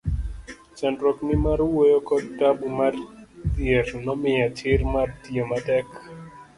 chandruok ni mar wuoyo kod tabu mar dhier nomiya chir mar tiyo matek